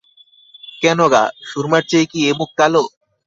কেন গা, সুরমার চেয়ে কি এ মুখ কালাে?